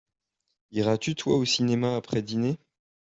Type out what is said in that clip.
Iras-tu, toi, au cinéma après dîner ?